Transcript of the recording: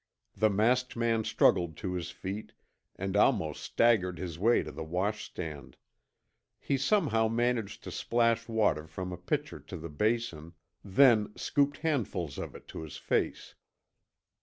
The masked man struggled to his feet and almost staggered his way to the washstand. He somehow managed to splash water from a pitcher to the basin, then scooped handfuls of it to his face.